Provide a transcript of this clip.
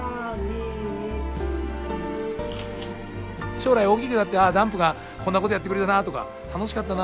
将来大きくなってダンプがこんなことやってくれたなとか楽しかったな